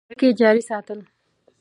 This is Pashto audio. اړیکي جاري ساتل.